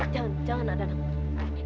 jangan jangan ada nangkut